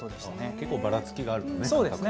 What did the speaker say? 結構ばらつきがあるんですね。